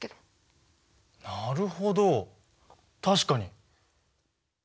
なるほど確かに。